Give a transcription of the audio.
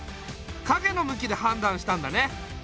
かげの向きではんだんしたんだね。